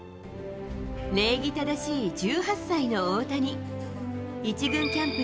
礼儀正しい１８歳の大谷。